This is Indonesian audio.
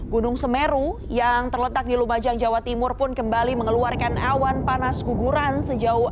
gunung semeru yang terletak di lumajang jawa timur pun kembali mengeluarkan awan panas guguran sejauh